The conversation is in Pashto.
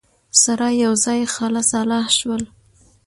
سره یوځای خلع سلاح شول